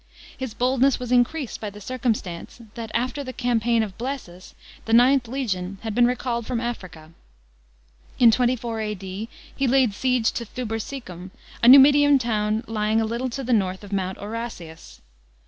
His boldness was increased by the circumstance that, after the campaign of Blsesus, the IXth legion had been n called from Africa. In 24 A.D. he laid siege to Thubursicum, a Numidian town lying a little to the north of Mount Aurasius.